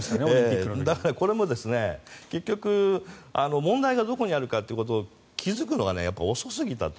だからこれも結局、問題がどこにあるのかということを気付くのが遅すぎたと。